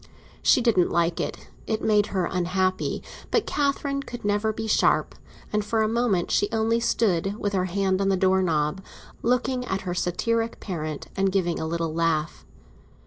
She didn't like it—it made her unhappy. But Catherine could never be sharp; and for a moment she only stood, with her hand on the door knob, looking at her satiric parent, and giving a little laugh.